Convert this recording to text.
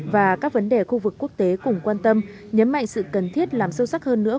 và các vấn đề khu vực quốc tế cùng quan tâm nhấn mạnh sự cần thiết làm sâu sắc hơn nữa